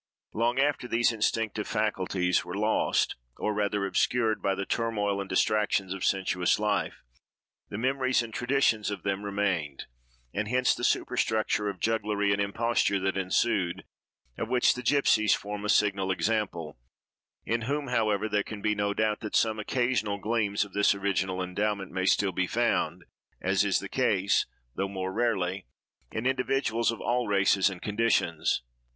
Long after these instinctive faculties were lost, or rather obscured, by the turmoil and distractions of sensuous life, the memories and traditions of them remained, and hence the superstructure of jugglery and imposture that ensued, of which the gipsies form a signal example, in whom, however, there can be no doubt that some occasional gleams of this original endowment may still be found, as is the case, though more rarely, in individuals of all races and conditions.